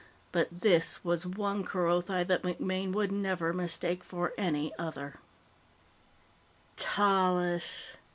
But this was one Kerothi that MacMaine would never mistake for any other. "Tallis!"